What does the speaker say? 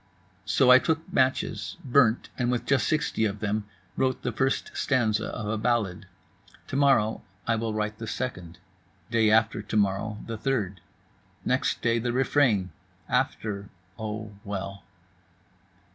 So I took matches, burnt, and with just 60 of them wrote the first stanza of a ballade. To morrow I will write the second. Day after to morrow the third. Next day the refrain. After—oh, well.